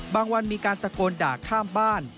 วันมีการตะโกนด่าข้ามบ้าน